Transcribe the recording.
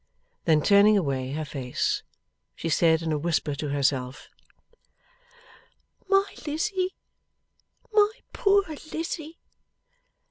Then turning away her face, she said in a whisper to herself, 'My Lizzie, my poor Lizzie!